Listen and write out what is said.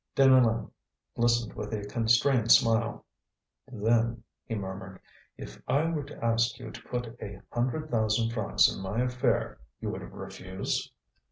Deneulin listened with a constrained smile. "Then," he murmured, "if I were to ask you to put a hundred thousand francs in my affair you would refuse?"